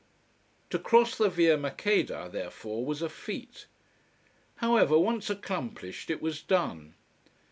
To cross the Via Maqueda therefore was a feat. However, once accomplished, it was done.